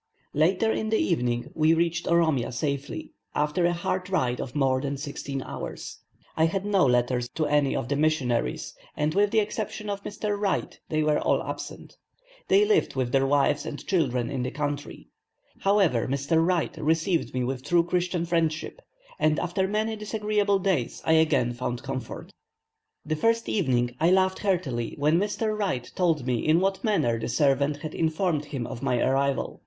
Late in the evening, we reached Oromia safely, after a hard ride of more than sixteen hours. I had no letters to any of the missionaries, and with the exception of Mr. Wright, they were all absent. They lived with their wives and children in the country. However, Mr. Wright received me with true Christian friendship, and after many disagreeable days I again found comfort. The first evening I laughed heartily when Mr. Wright told me in what manner the servant had informed him of my arrival.